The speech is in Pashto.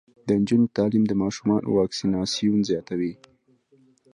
د نجونو تعلیم د ماشومانو واکسیناسیون زیاتوي.